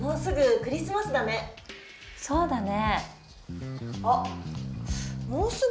そうだね。